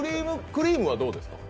クリームはどうですか？